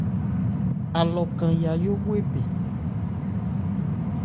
Alɔ kan yayó bhwe bɛn.